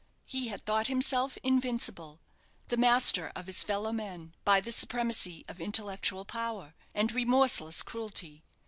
He had thought himself invincible, the master of his fellow men, by the supremacy of intellectual power, and remorseless cruelty.